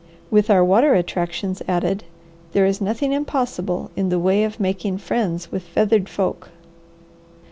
With our water attractions added, there is nothing impossible in the way of making friends with feathered folk."